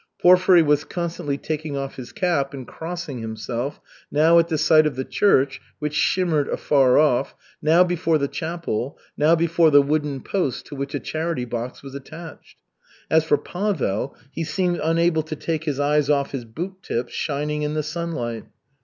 Porfiry was constantly taking off his cap and crossing himself, now at the sight of the church, which shimmered afar off, now before the chapel, now before the wooden post to which a charity box was attached. As for Pavel, he seemed unable to take his eyes off his boot tips shining in the sunlight.